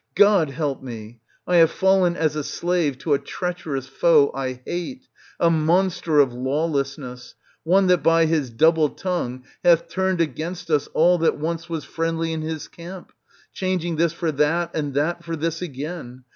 God help me ! I have fallen as a slave to a treacherous foe I hate, a monster of lawless ness, one that by his double tongue hath turned against us all that once was friendly in his camp, changing this for that and that for this again.